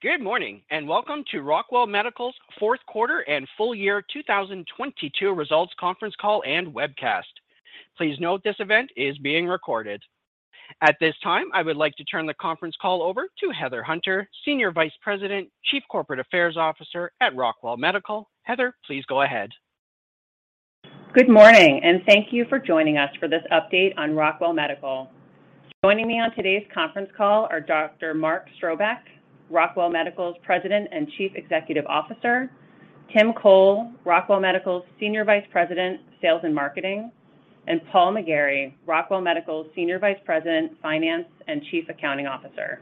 Good morning. Welcome to Rockwell Medical's Fourth Quarter and Full Year 2022 Results Conference Call and Webcast. Please note this event is being recorded. At this time, I would like to turn the conference call over to Heather Hunter, Senior Vice President, Chief Corporate Affairs Officer at Rockwell Medical. Heather, please go ahead. Good morning, and thank you for joining us for this update on Rockwell Medical. Joining me on today's conference call are Dr. Mark Strobeck, Rockwell Medical's President and Chief Executive Officer, Tim Chole, Rockwell Medical's Senior Vice President, Sales and Marketing, and Paul McGarry, Rockwell Medical's Senior Vice President, Finance, and Chief Accounting Officer.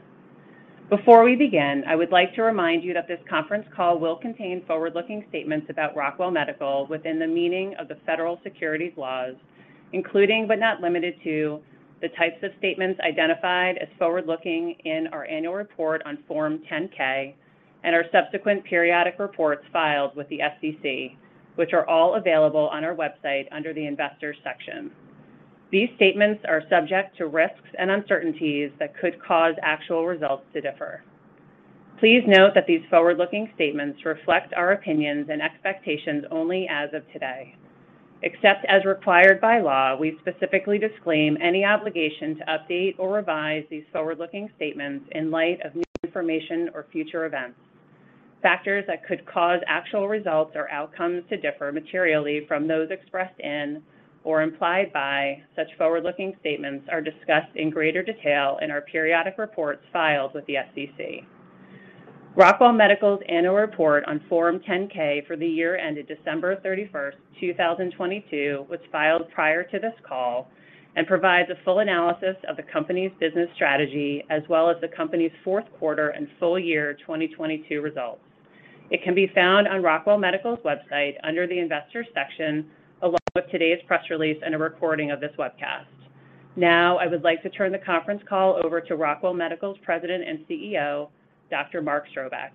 Before we begin, I would like to remind you that this conference call will contain forward-looking statements about Rockwell Medical within the meaning of the federal securities laws, including, but not limited to the types of statements identified as forward-looking in our annual report on Form 10-K and our subsequent periodic reports filed with the SEC, which are all available on our website under the Investors section. These statements are subject to risks and uncertainties that could cause actual results to differ. Please note that these forward-looking statements reflect our opinions and expectations only as of today. Except as required by law, we specifically disclaim any obligation to update or revise these forward-looking statements in light of new information or future events. Factors that could cause actual results or outcomes to differ materially from those expressed in or implied by such forward-looking statements are discussed in greater detail in our periodic reports filed with the SEC. Rockwell Medical's Annual Report on Form 10-K for the year ended December 31st, 2022, was filed prior to this call and provides a full analysis of the company's business strategy as well as the company's fourth quarter and full year 2022 results. It can be found on Rockwell Medical's website under the Investors section, along with today's press release and a recording of this webcast. I would like to turn the conference call over to Rockwell Medical's President and CEO, Dr. Mark Strobeck.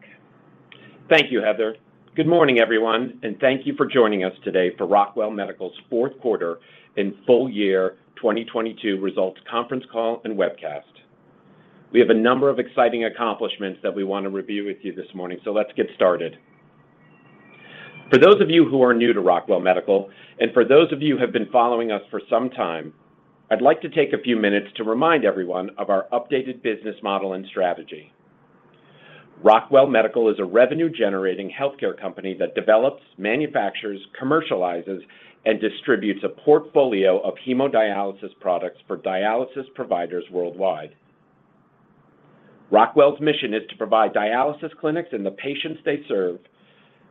Thank you, Heather. Good morning, everyone, and thank you for joining us today for Rockwell Medical's fourth quarter and full year 2022 results conference call and webcast. We have a number of exciting accomplishments that we want to review with you this morning, so let's get started. For those of you who are new to Rockwell Medical, and for those of you who have been following us for some time, I'd like to take a few minutes to remind everyone of our updated business model and strategy. Rockwell Medical is a revenue-generating healthcare company that develops, manufactures, commercializes, and distributes a portfolio of hemodialysis products for dialysis providers worldwide. Rockwell's mission is to provide dialysis clinics and the patients they serve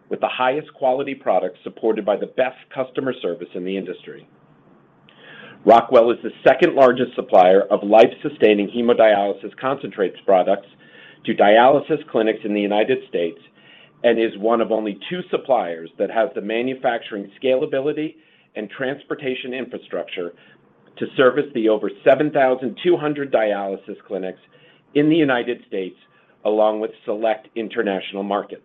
with the highest quality products supported by the best customer service in the industry. Rockwell is the second largest supplier of life-sustaining hemodialysis concentrates products to dialysis clinics in the United States and is one of only two suppliers that has the manufacturing scalability and transportation infrastructure to service the over 7,002 dialysis clinics in the United States along with select international markets.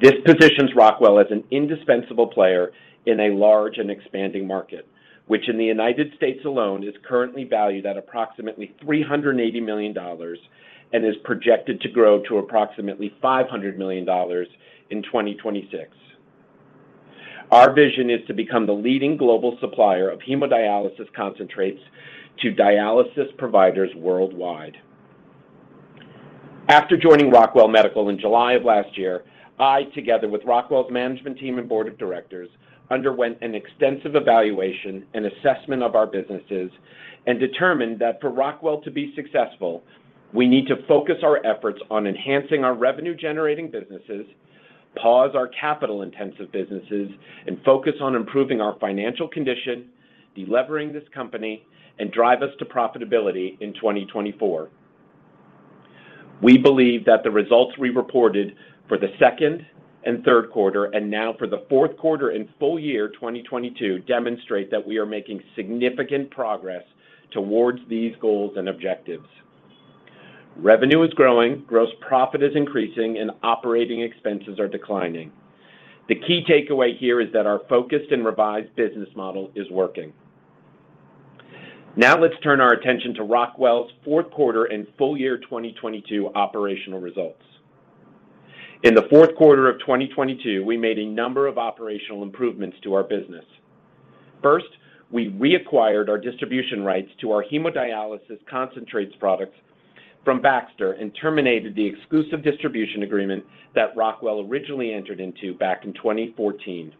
This positions Rockwell as an indispensable player in a large and expanding market, which in the United States alone is currently valued at approximately $380 million and is projected to grow to approximately $500 million in 2026. Our vision is to become the leading global supplier of hemodialysis concentrates to dialysis providers worldwide. After joining Rockwell Medical in July of last year, I, together with Rockwell's management team and board of directors, underwent an extensive evaluation and assessment of our businesses and determined that for Rockwell to be successful, we need to focus our efforts on enhancing our revenue-generating businesses, pause our capital-intensive businesses, and focus on improving our financial condition, delivering this company, and drive us to profitability in 2024. We believe that the results we reported for the second and third quarter, and now for the fourth quarter and full year 2022, demonstrate that we are making significant progress towards these goals and objectives. Revenue is growing, gross profit is increasing, and operating expenses are declining. The key takeaway here is that our focused and revised business model is working. Let's turn our attention to Rockwell's fourth quarter and full year 2022 operational results. In the fourth quarter of 2022, we made a number of operational improvements to our business. First, we reacquired our distribution rights to our hemodialysis concentrates products from Baxter and terminated the exclusive distribution agreement that Rockwell originally entered into back in 2014.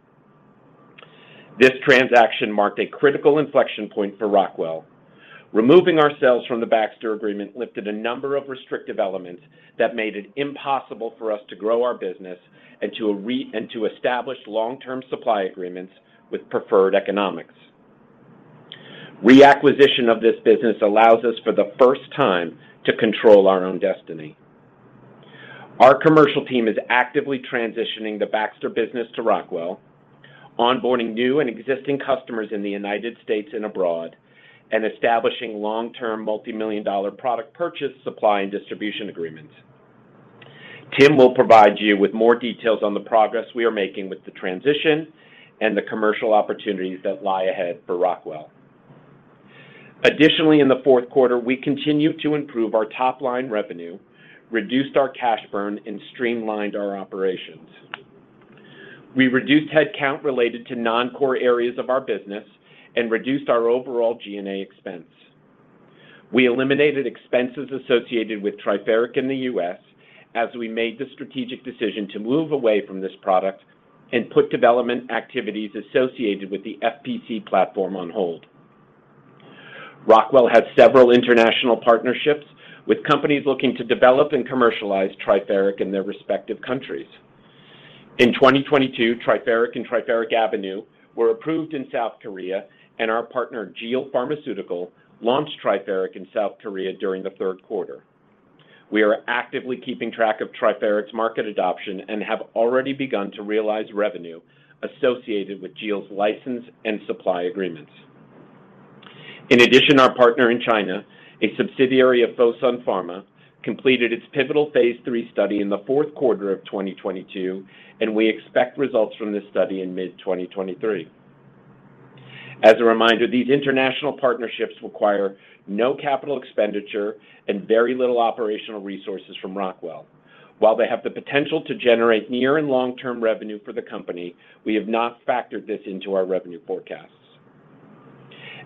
This transaction marked a critical inflection point for Rockwell. Removing ourselves from the Baxter agreement lifted a number of restrictive elements that made it impossible for us to grow our business and to establish long-term supply agreements with preferred economics. Reacquisition of this business allows us for the first time to control our own destiny. Our commercial team is actively transitioning the Baxter business to Rockwell, onboarding new and existing customers in the United States and abroad, and establishing long-term multimillion-dollar product purchase, supply, and distribution agreements. Tim will provide you with more details on the progress we are making with the transition and the commercial opportunities that lie ahead for Rockwell. In the fourth quarter, we continued to improve our top-line revenue, reduced our cash burn, and streamlined our operations. We reduced headcount related to non-core areas of our business and reduced our overall G&A expense. We eliminated expenses associated with Triferic in the U.S. as we made the strategic decision to move away from this product and put development activities associated with the FPC platform on hold. Rockwell has several international partnerships with companies looking to develop and commercialize Triferic in their respective countries. In 2022, Triferic and Triferic AVNU were approved in South Korea, and our partner, Jeil Pharmaceutical, launched Triferic in South Korea during the third quarter. We are actively keeping track of Triferic's market adoption and have already begun to realize revenue associated with Jeil's license and supply agreements. In addition, our partner in China, a subsidiary of Fosun Pharma, completed its pivotal phase 3 study in the fourth quarter of 2022, and we expect results from this study in mid-2023. As a reminder, these international partnerships require no capital expenditure and very little operational resources from Rockwell. While they have the potential to generate near and long-term revenue for the company, we have not factored this into our revenue forecasts.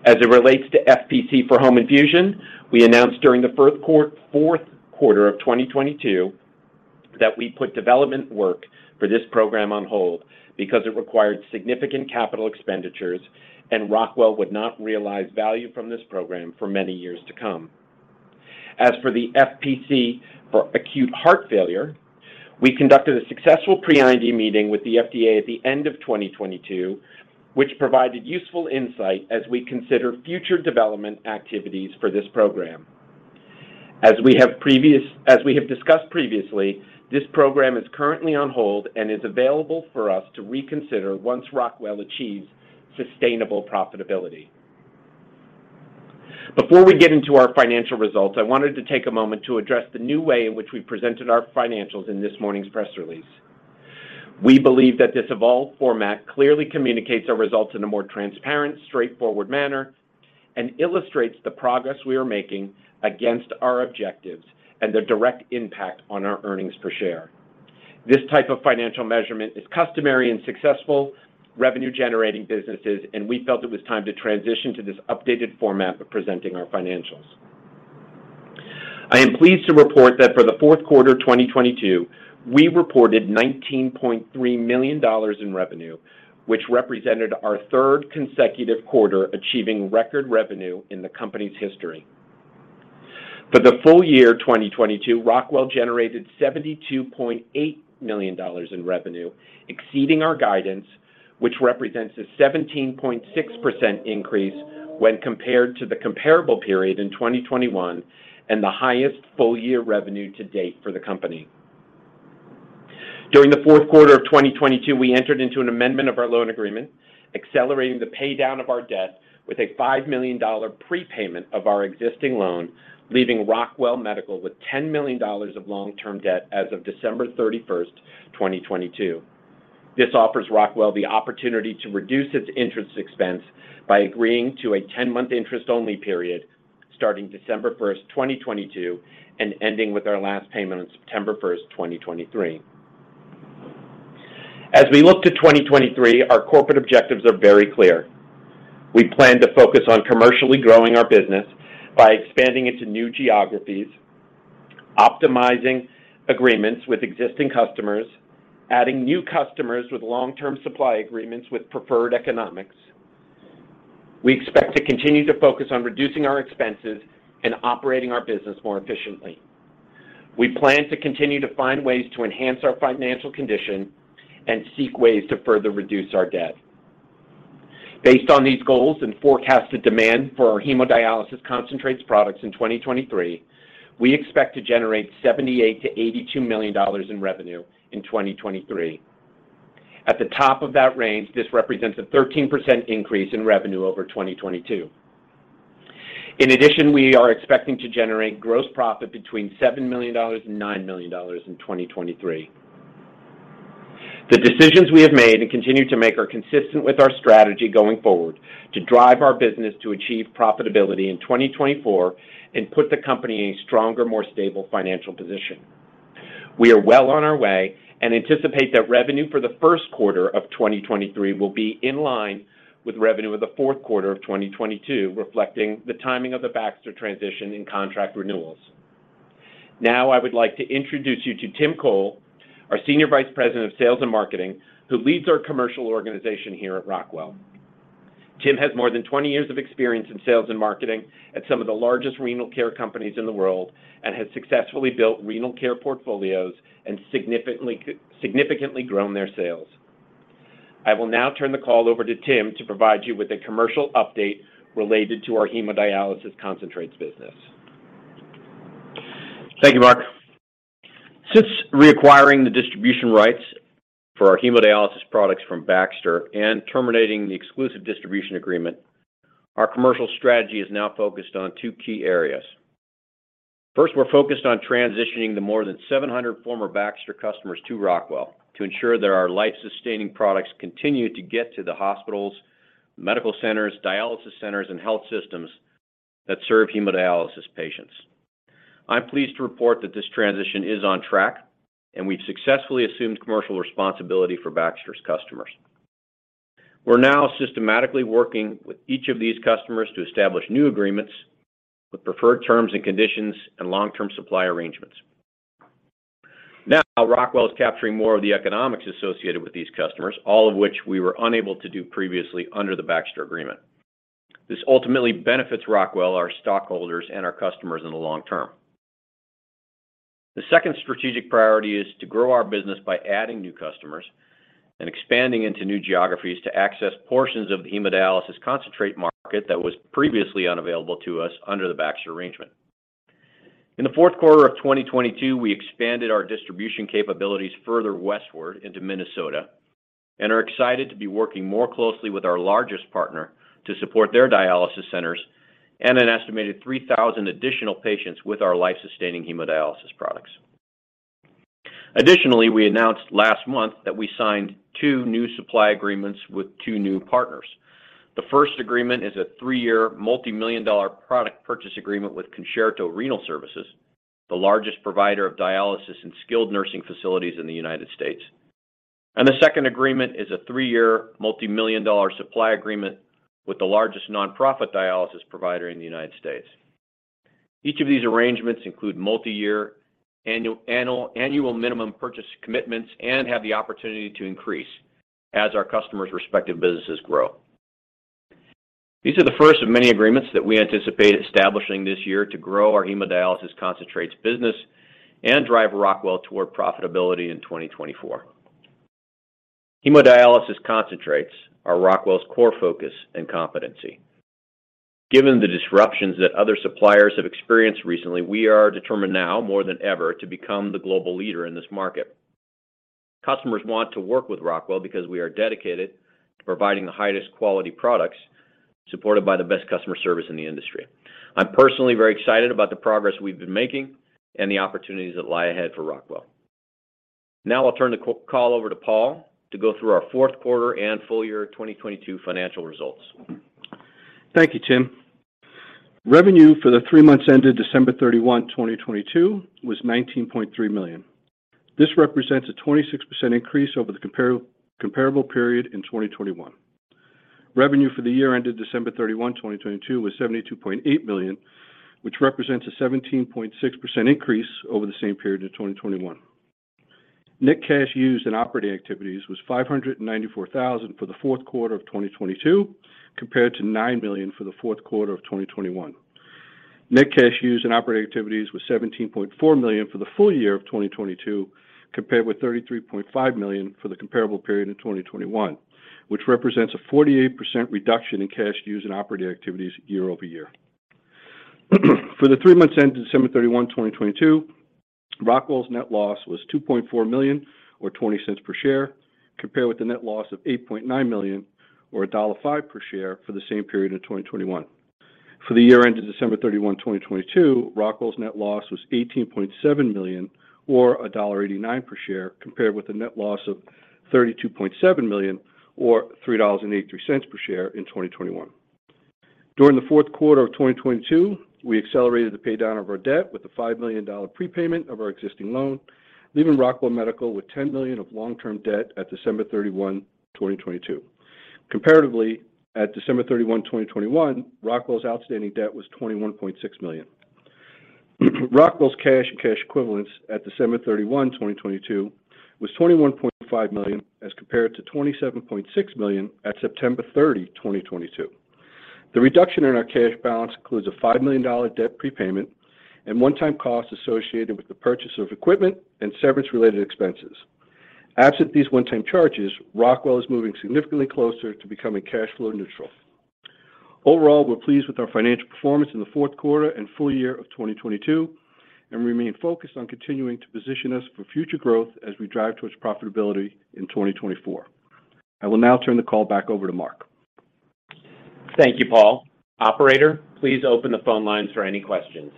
As it relates to FPC for home infusion, we announced during the fourth quarter of 2022 that we put development work for this program on hold because it required significant capital expenditures and Rockwell would not realize value from this program for many years to come. For the FPC for acute heart failure, we conducted a successful pre-IND meeting with the FDA at the end of 2022, which provided useful insight as we consider future development activities for this program. As we have discussed previously, this program is currently on hold and is available for us to reconsider once Rockwell achieves sustainable profitability. We get into our financial results, I wanted to take a moment to address the new way in which we presented our financials in this morning's press release. We believe that this evolved format clearly communicates our results in a more transparent, straightforward manner and illustrates the progress we are making against our objectives and their direct impact on our earnings per share. This type of financial measurement is customary in successful revenue-generating businesses, and we felt it was time to transition to this updated format of presenting our financials. I am pleased to report that for the fourth quarter 2022, we reported $19.3 million in revenue, which represented our third consecutive quarter achieving record revenue in the company's history. For the full year 2022, Rockwell generated $72.8 million in revenue, exceeding our guidance, which represents a 17.6% increase when compared to the comparable period in 2021 and the highest full-year revenue to date for the company. During the fourth quarter of 2022, we entered into an amendment of our loan agreement, accelerating the paydown of our debt with a $5 million prepayment of our existing loan, leaving Rockwell Medical with $10 million of long-term debt as of December 31st, 2022. This offers Rockwell the opportunity to reduce its interest expense by agreeing to a 10-month interest-only period starting December 1st, 2022, and ending with our last payment on September 1st, 2023. As we look to 2023, our corporate objectives are very clear. We plan to focus on commercially growing our business by expanding into new geographies, optimizing agreements with existing customers, adding new customers with long-term supply agreements with preferred economics. We expect to continue to focus on reducing our expenses and operating our business more efficiently. We plan to continue to find ways to enhance our financial condition and seek ways to further reduce our debt. Based on these goals and forecasted demand for our hemodialysis concentrates products in 2023, we expect to generate $78 million-$82 million in revenue in 2023. At the top of that range, this represents a 13% increase in revenue over 2022. We are expecting to generate gross profit between $7 million and $9 million in 2023. The decisions we have made and continue to make are consistent with our strategy going forward to drive our business to achieve profitability in 2024 and put the company in a stronger, more stable financial position. We are well on our way and anticipate that revenue for the first quarter of 2023 will be in line with revenue of the fourth quarter of 2022, reflecting the timing of the Baxter transition and contract renewals. I would like to introduce you to Tim Chole, our Senior Vice President of Sales and Marketing, who leads our commercial organization here at Rockwell Medical. Tim has more than 20 years of experience in sales and marketing at some of the largest renal care companies in the world and has successfully built renal care portfolios and significantly grown their sales. I will now turn the call over to Tim to provide you with a commercial update related to our hemodialysis concentrates business. Thank you, Mark. Since reacquiring the distribution rights for our hemodialysis products from Baxter and terminating the exclusive distribution agreement, our commercial strategy is now focused on two key areas. First, we're focused on transitioning the more than 700 former Baxter customers to Rockwell to ensure that our life-sustaining products continue to get to the hospitals, medical centers, dialysis centers, and health systems that serve hemodialysis patients. I'm pleased to report that this transition is on track, and we've successfully assumed commercial responsibility for Baxter's customers. We're now systematically working with each of these customers to establish new agreements with preferred terms and conditions and long-term supply arrangements. Now Rockwell is capturing more of the economics associated with these customers, all of which we were unable to do previously under the Baxter agreement. This ultimately benefits Rockwell, our stockholders, and our customers in the long term. The second strategic priority is to grow our business by adding new customers and expanding into new geographies to access portions of the hemodialysis concentrate market that was previously unavailable to us under the Baxter arrangement. In the fourth quarter of 2022, we expanded our distribution capabilities further westward into Minnesota and are excited to be working more closely with our largest partner to support their dialysis centers and an estimated 3,000 additional patients with our life-sustaining hemodialysis products. Additionally, we announced last month that we signed two new supply agreements with two new partners. The first agreement is a 3-year multi-million dollar product purchase agreement with Concerto Renal Services, the largest provider of dialysis and skilled nursing facilities in the United States. The second agreement is a 3-year multi-million dollar supply agreement with the largest nonprofit dialysis provider in the United States. Each of these arrangements include multi-year annual minimum purchase commitments and have the opportunity to increase as our customers' respective businesses grow. These are the first of many agreements that we anticipate establishing this year to grow our hemodialysis concentrates business and drive Rockwell toward profitability in 2024. Hemodialysis concentrates are Rockwell's core focus and competency. Given the disruptions that other suppliers have experienced recently, we are determined now more than ever to become the global leader in this market. Customers want to work with Rockwell because we are dedicated to providing the highest quality products supported by the best customer service in the industry. I'm personally very excited about the progress we've been making and the opportunities that lie ahead for Rockwell. I'll turn the call over to Paul to go through our fourth quarter and full year 2022 financial results. Thank you, Tim. Revenue for the three months ended December 31, 2022, was $19.3 million. This represents a 26% increase over the comparable period in 2021. Revenue for the year ended December 31, 2022, was $72.8 million, which represents a 17.6% increase over the same period in 2021. Net cash used in operating activities was $594,000 for the fourth quarter of 2022, compared to $9 million for the fourth quarter of 2021. Net cash used in operating activities was $17.4 million for the full year of 2022, compared with $33.5 million for the comparable period in 2021, which represents a 48% reduction in cash used in operating activities year-over-year. For the three months ended December 31, 2022, Rockwell's net loss was $2.4 million or $0.20 per share, compared with the net loss of $8.9 million or $1.05 per share for the same period in 2021. For the year ended December 31, 2022, Rockwell's net loss was $18.7 million or $1.89 per share, compared with a net loss of $32.7 million or $3.83 per share in 2021. During the fourth quarter of 2022, we accelerated the pay down of our debt with a $5 million prepayment of our existing loan, leaving Rockwell Medical with $10 million of long-term debt at December 31, 2022. Comparatively, at December 31, 2021, Rockwell's outstanding debt was $21.6 million. Rockwell's cash and cash equivalents at December 31, 2022 was $21.5 million, as compared to $27.6 million at September 30, 2022. The reduction in our cash balance includes a $5 million debt prepayment and one-time costs associated with the purchase of equipment and severance related expenses. Absent these one-time charges, Rockwell is moving significantly closer to becoming cash flow neutral. Overall, we're pleased with our financial performance in the fourth quarter and full year of 2022 and remain focused on continuing to position us for future growth as we drive towards profitability in 2024. I will now turn the call back over to Mark. Thank you, Paul. Operator, please open the phone lines for any questions.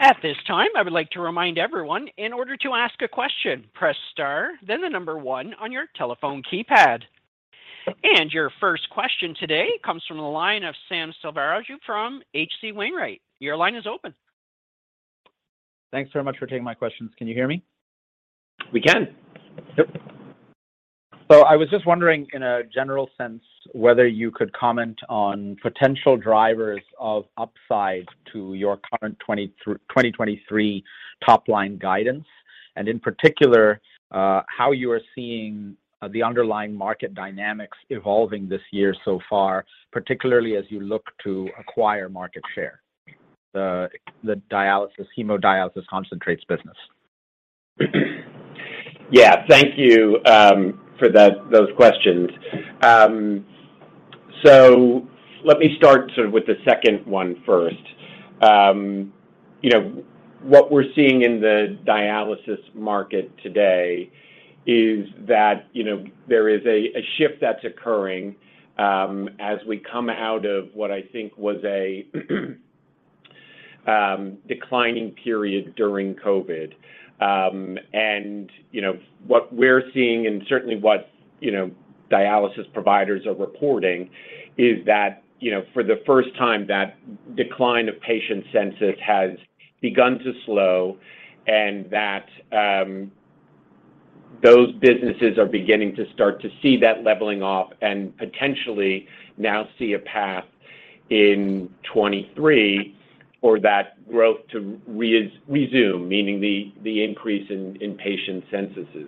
At this time, I would like to remind everyone, in order to ask a question, press star, then the number one on your telephone keypad. Your first question today comes from the line of Raghuram Selvaraju from H.C. Wainwright. Your line is open. Thanks very much for taking my questions. Can you hear me? We can. Yep. I was just wondering in a general sense whether you could comment on potential drivers of upside to your current 2023 top-line guidance. In particular, how you are seeing the underlying market dynamics evolving this year so far, particularly as you look to acquire market share, the hemodialysis concentrates business. Yeah. Thank you, for those questions. Let me start sort of with the second one first. You know, what we're seeing in the dialysis market today is that, you know, there is a shift that's occurring as we come out of what I think was a declining period during COVID. You know, what we're seeing and certainly what, you know, dialysis providers are reporting is that, you know, for the first time that decline of patient census has begun to slow and that, those businesses are beginning to start to see that leveling off and potentially now see a path in 23 for that growth to re-resume, meaning the increase in patient censuses.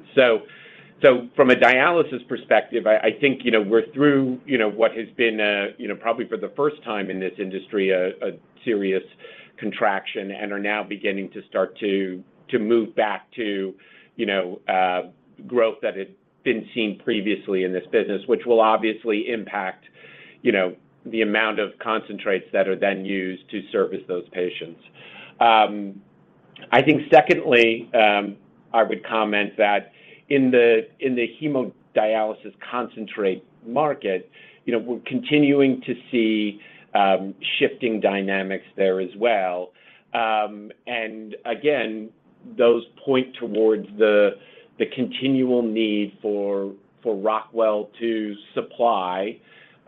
From a dialysis perspective, I think, you know, we're through, you know, what has been a, you know, probably for the first time in this industry a serious contraction and are now beginning to start to move back to, you know, growth that had been seen previously in this business, which will obviously impact, you know, the amount of concentrates that are then used to service those patients. I think secondly, I would comment that in the, in the hemodialysis concentrate market, you know, we're continuing to see shifting dynamics there as well. Again, those point towards the continual need for Rockwell to supply,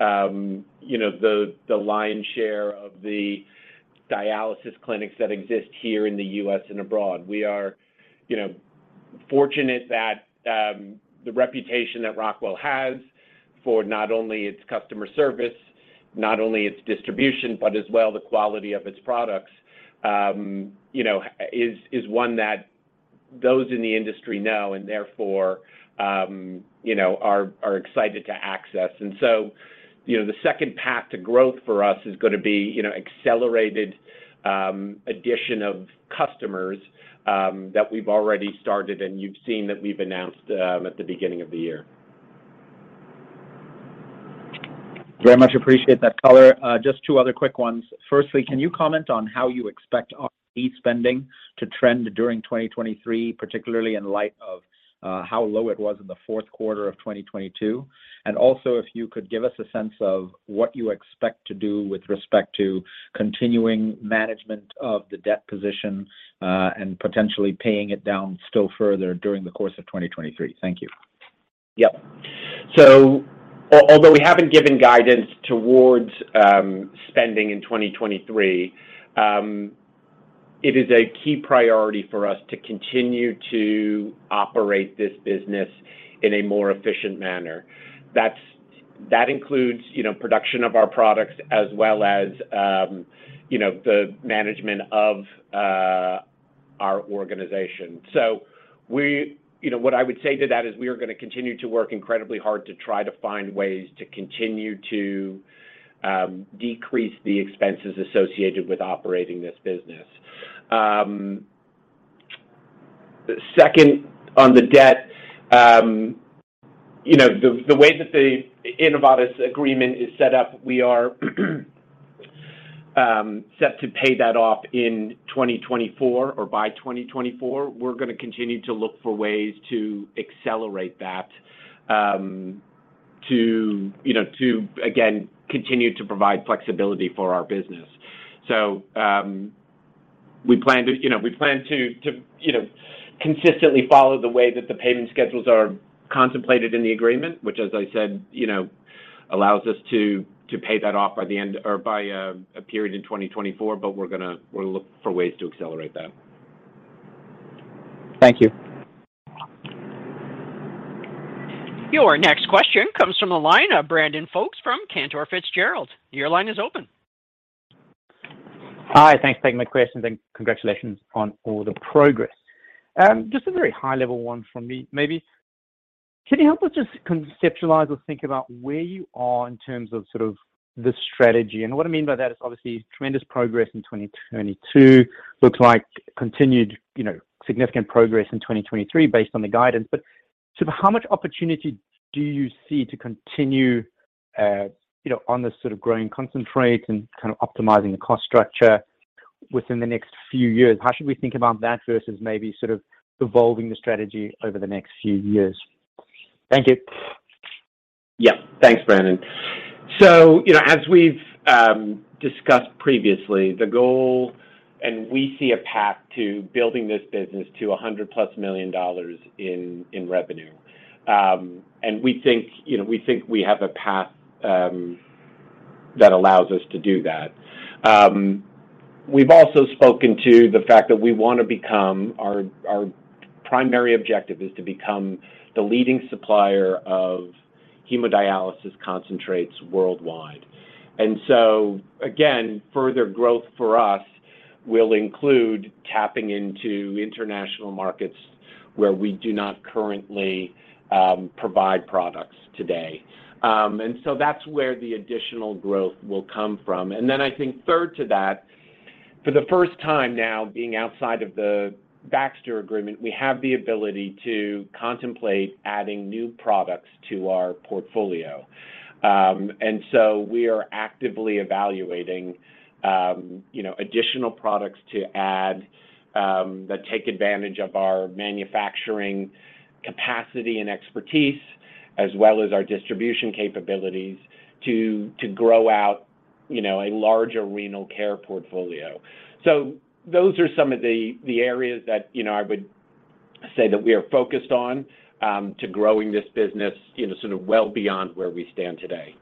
you know, the lion's share of the dialysis clinics that exist here in the U.S. and abroad. We are, you know, fortunate that the reputation that Rockwell has for not only its customer service, not only its distribution, but as well the quality of its products, you know, is one that those in the industry know and therefore, you know, are excited to access. You know, the second path to growth for us is gonna be, you know, accelerated addition of customers that we've already started and you've seen that we've announced at the beginning of the year. Very much appreciate that color. Just two other quick ones. Firstly, can you comment on how you expect OP spending to trend during 2023, particularly in light of how low it was in the fourth quarter of 2022? Also if you could give us a sense of what you expect to do with respect to continuing management of the debt position, and potentially paying it down still further during the course of 2023. Thank you. Yep. Although we haven't given guidance towards spending in 2023, it is a key priority for us to continue to operate this business in a more efficient manner. That includes, you know, production of our products as well as, you know, the management of our organization. You know, what I would say to that is we are gonna continue to work incredibly hard to try to find ways to continue to decrease the expenses associated with operating this business. Second, on the debt, you know, the way that the Innovatus agreement is set up, we are set to pay that off in 2024 or by 2024. We're gonna continue to look for ways to accelerate that, to, you know, again, continue to provide flexibility for our business. We plan to, you know, consistently follow the way that the payment schedules are contemplated in the agreement, which as I said, you know, allows us to pay that off by the end or by a period in 2024. We'll look for ways to accelerate that. Thank you. Your next question comes from the line of Brandon Folkes from Cantor Fitzgerald. Your line is open. Hi. Thanks for taking my questions. Congratulations on all the progress. Just a very high level one from me maybe. Can you help us just conceptualize or think about where you are in terms of sort of the strategy? What I mean by that is obviously tremendous progress in 2022. Looks like continued, you know, significant progress in 2023 based on the guidance. Sort of how much opportunity do you see to continue, you know, on this sort of growing concentrate and kind of optimizing the cost structure within the next few years? How should we think about that versus maybe sort of evolving the strategy over the next few years? Thank you. Yeah. Thanks, Brandon. You know, as we've discussed previously, the goal and we see a path to building this business to $100+ million in revenue. We think, you know, we think we have a path that allows us to do that. We've also spoken to the fact that our primary objective is to become the leading supplier of hemodialysis concentrates worldwide. Again, further growth for us will include tapping into international markets where we do not currently provide products today. That's where the additional growth will come from. I think third to that, for the first time now being outside of the Baxter agreement, we have the ability to contemplate adding new products to our portfolio. We are actively evaluating, you know, additional products to add, that take advantage of our manufacturing capacity and expertise as well as our distribution capabilities to grow out, you know, a larger renal care portfolio. Those are some of the areas that, you know, I would say that we are focused on, to growing this business, you know, sort of well beyond where we stand today.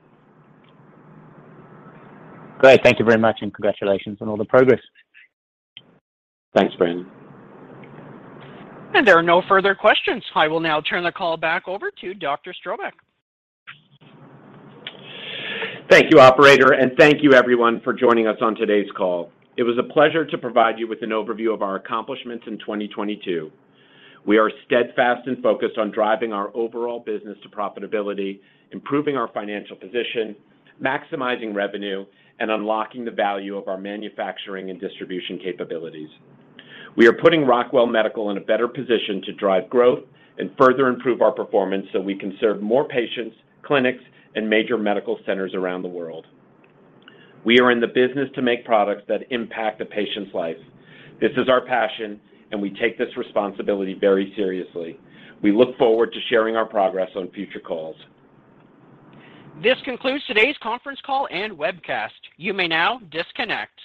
Great. Thank you very much, and congratulations on all the progress. Thanks, Brandon. There are no further questions. I will now turn the call back over to Dr. Strobeck. Thank you, operator. Thank you everyone for joining us on today's call. It was a pleasure to provide you with an overview of our accomplishments in 2022. We are steadfast and focused on driving our overall business to profitability, improving our financial position, maximizing revenue, and unlocking the value of our manufacturing and distribution capabilities. We are putting Rockwell Medical in a better position to drive growth and further improve our performance so we can serve more patients, clinics, and major medical centers around the world. We are in the business to make products that impact a patient's life. This is our passion. We take this responsibility very seriously. We look forward to sharing our progress on future calls. This concludes today's conference call and webcast. You may now disconnect.